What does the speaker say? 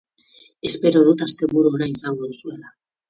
Espero dut asteburu ona izango duzuela.